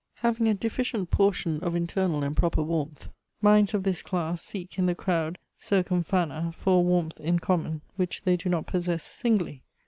Having a deficient portion of internal and proper warmth, minds of this class seek in the crowd circum fana for a warmth in common, which they do not possess singly.